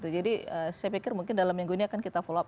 jadi saya pikir mungkin dalam minggu ini akan kita follow up